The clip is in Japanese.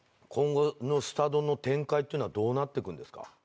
今後のすた丼の展開っていうのはどうなってくんですか？